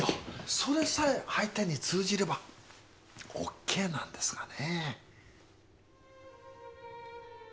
それさえ相手に通じればオッケーなんですがね。